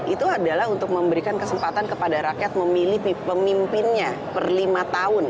itu adalah untuk memberikan kesempatan kepada rakyat memilih pemimpinnya per lima tahun